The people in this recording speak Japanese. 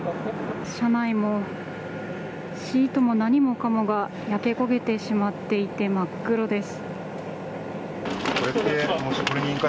車内もシートも何もかもが焼け焦げてしまっていて真っ黒です。